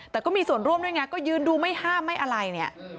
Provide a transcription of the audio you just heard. แต่ก็มีส่วนร่วมด้วยไงก็ยืนดูไม่ห้ามไม่อะไรเนี่ย